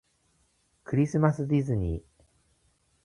クリスマスディズニー